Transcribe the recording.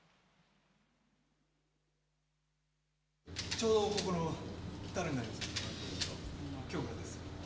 ちょうどここの樽になります。